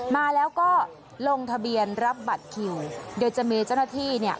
มาแล้วก็ลงทะเบียนรับบัตรคิวโดยจะมีเจ้าหน้าที่เนี่ย